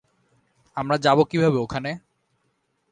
আমরা যাবো কীভাবে ওখানে?